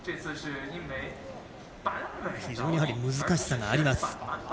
非常に難しさがあります。